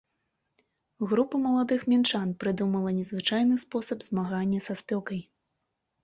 Група маладых мінчан прыдумала незвычайны спосаб змагання са спёкай.